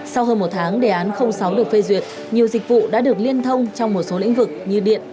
sau hơn một tháng đề án sáu được phê duyệt nhiều dịch vụ đã được liên thông trong một số lĩnh vực như điện